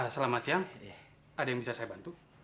selamat siang ada yang bisa saya bantu